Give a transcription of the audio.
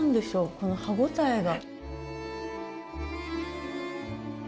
この歯応えが。